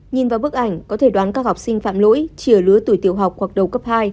nhìn vào bức ảnh có thể đoán các học sinh phạm lỗi chỉ ở lứa tuổi tiểu học hoặc đầu cấp hai